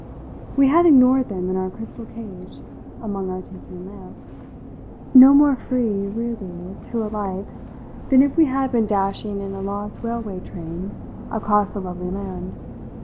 We had ignored them in our crystal cage, among our tinkling lamps; no more free really to alight than if we had been dashing in a locked railway train across a lovely land.